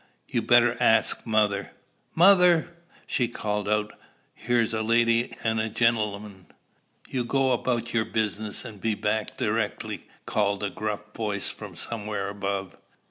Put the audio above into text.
You better ast mother. Mother!" she called out "here's a lady an' a gen'lem'." "You go about yer business, and be back direckly," cried a gruff voice from somewhere above.